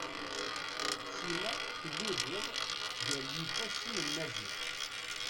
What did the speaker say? Sima tewwid iḍ gar yifasen n Maziɣ.